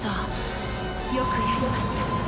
よくやりました。